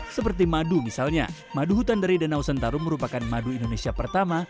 seperti madu misalnya madu hutan dari danau sentarum merupakan madu indonesia pertama